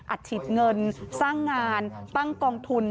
ฉีดเงินสร้างงานตั้งกองทุน